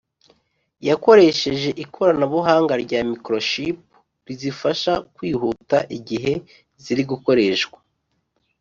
yakoresheje ikoranabuhanga rya “Microchip” rizifasha kwihuta igihe ziri gukoreshwa